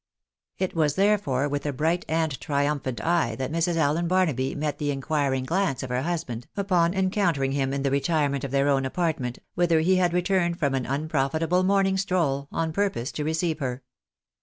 It was therefore with a bright and triumphant eye that Mrs. Allen Barnaby met the inquiring glance of her husband, upon encountering him in the retirement of their own apartment, whither he had returned from an unprofitable morning stroll on purpose to receive her.